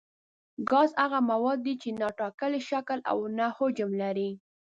ګاز هغه مواد دي چې نه ټاکلی شکل او نه حجم لري.